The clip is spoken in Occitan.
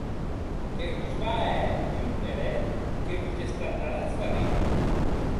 Que vos va a hèr un numeret que vos estarnaratz d'arrir.